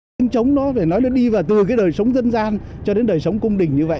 tiếng trống nó phải nói là đi và từ cái đời sống dân gian cho đến đời sống cung đình như vậy